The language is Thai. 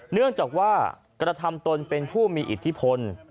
เนื่องจากว่ากระทำตนเป็นผู้มีอิทธิพล